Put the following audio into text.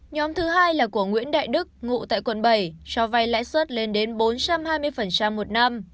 nhóm thứ hai là của nguyễn đại đức ngụ tại quận bảy cho vay lãi suất lên đến bốn trăm hai mươi một năm